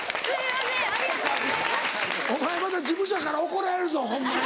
お前また事務所から怒られるぞホンマに。